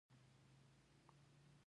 پښتو شعرونه ښکلي دي